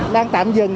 đang tạm dừng